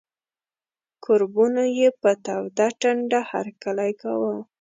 کوربنو یې په توده ټنډه هرکلی کاوه.